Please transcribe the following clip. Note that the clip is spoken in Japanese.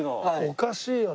おかしいよな。